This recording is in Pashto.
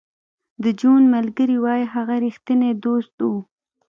د جون ملګري وایی هغه رښتینی دوست و